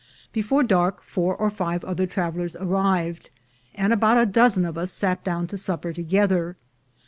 Before dark, four or five other travelers arrived, and about a dozen of us sat down to supper together.